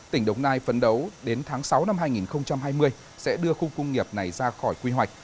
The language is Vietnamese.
tỉnh đồng nai phấn đấu đến tháng sáu năm hai nghìn hai mươi sẽ đưa khu công nghiệp này ra khỏi quy hoạch